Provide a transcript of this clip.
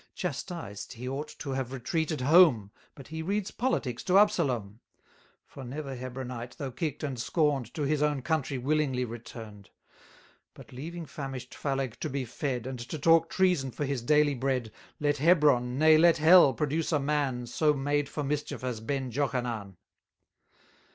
Chastised he ought to have retreated home, But he reads politics to Absalom. For never Hebronite, though kick'd and scorn'd, To his own country willingly return'd. But leaving famish'd Phaleg to be fed, 350 And to talk treason for his daily bread, Let Hebron, nay let hell, produce a man So made for mischief as Ben Jochanan.